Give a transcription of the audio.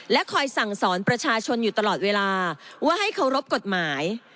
คอยสั่งสอนประชาชนอยู่ตลอดเวลาว่าให้เคารพกฎหมาย